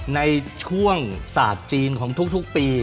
ในช่วงศาสตร์จีนของทุกปี